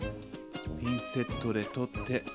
ピンセットで取って。